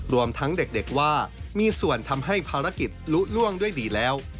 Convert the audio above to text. รวมทั้งเด็กว่ามีส่วนทำให้ภารกิจลุล่วงด้วยดีแล้ว